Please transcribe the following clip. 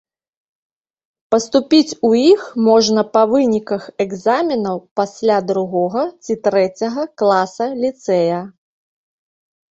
Паступіць у іх можна па выніках экзаменаў пасля другога ці трэцяга класа ліцэя.